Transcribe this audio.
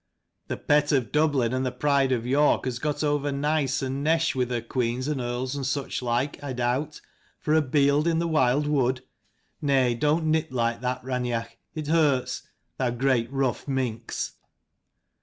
The pet of Dublin and the pride of York has got over nice and nesh with her queens and earls and such like, I doubt, for a bield in the wild wood. Nay, don't nip like that, Raineach : it hurts, thou great rough minx!"